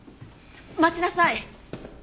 待ちなさい！